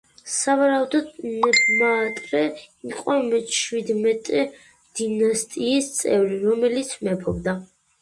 სავარაუდოდ ნებმაატრე იყო მეჩვიდმეტე დინასტიის წევრი, რომელიც მეფობდა.